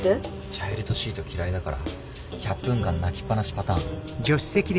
チャイルドシート嫌いだから１００分間泣きっぱなしパターン。